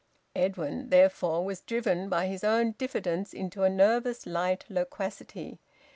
Edwin, therefore, was driven by his own diffidence into a nervous light loquacity.